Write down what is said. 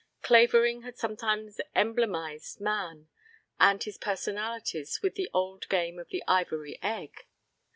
Clavering had sometimes emblemized man and his personalities with the old game of the ivory egg.